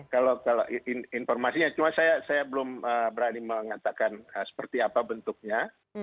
kalau informasinya cuma saya belum berani mengatakan seperti apa bentuknya